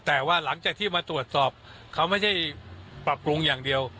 แต่ว่าหลังจากที่มาตรวจสอบเขาไม่ใช่ปรับปรุงอย่างเดียว